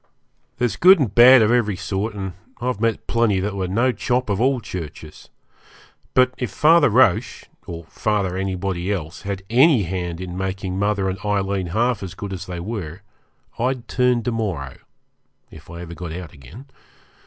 There's good and bad of every sort, and I've met plenty that were no chop of all churches; but if Father Roche, or Father anybody else, had any hand in making mother and Aileen half as good as they were, I'd turn to morrow, if I ever got out again.